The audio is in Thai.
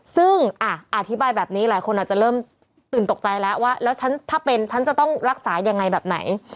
ซึ่งอธิบายแบบนี้หลายคนอาจจะเริ่มตื่นตกใจแล้วว่าแล้วฉันถ้าเป็นฉันจะต้องรักษายังไงแบบไหน